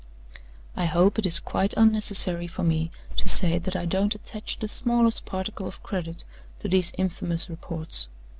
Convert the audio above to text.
"I hope it is quite unnecessary for me to say that I don't attach the smallest particle of credit to these infamous reports.